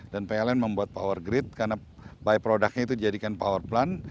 dan pln membuat power grid karena byproductnya itu dijadikan power plant